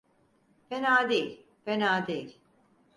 Fena değil, fena değil.